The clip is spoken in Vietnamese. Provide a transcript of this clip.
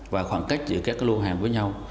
và khoảng cách giữa các lưu hàng với nhau